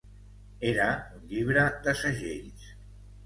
Era un llibre de segells.